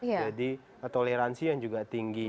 jadi toleransi yang juga tinggi